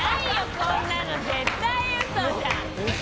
こんなの絶対ウソじゃん！